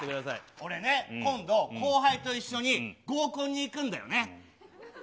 俺ね、今度、後輩と一緒に合コンに行くんだよね。